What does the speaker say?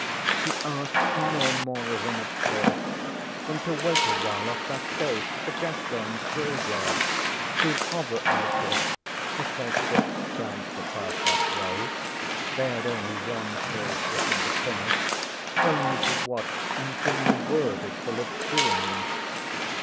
she asked no more of ŌĆśem at first than to wait a while off that coast the GasconsŌĆÖ Graveyard to hover a little if their ships chanced to pass that way they had only one tall ship and a pinnace only to watch and bring me word of PhilipŌĆÖs doings.